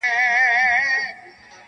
• یوه ورځ هم پر غلطه نه وو تللی -